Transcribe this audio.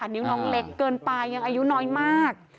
นิ้วน้องเล็กเกินไปยังอายุน้อยมาก